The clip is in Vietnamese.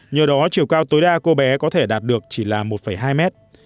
nhờ đó chiều cao tối đa cô bé có thể đạt được chỉ là một hai mét